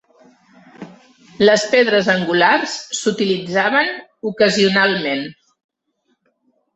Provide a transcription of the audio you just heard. Les pedres angulars s'utilitzaven ocasionalment.